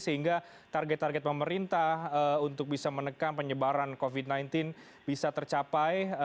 sehingga target target pemerintah untuk bisa menekan penyebaran covid sembilan belas bisa tercapai